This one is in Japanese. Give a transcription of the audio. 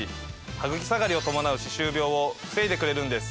ハグキ下がりを伴う歯周病を防いでくれるんです。